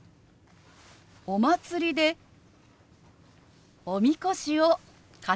「お祭りでおみこしを担ぐんだ」。